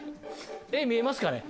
絵見えますかね？